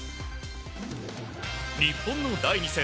日本の第２戦。